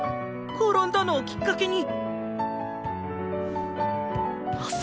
転んだのをきっかけに。